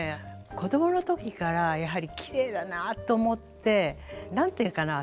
子供の時からやはりきれいだなと思って何て言うのかな